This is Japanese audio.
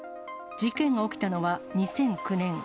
事件が起きたのは２００９年。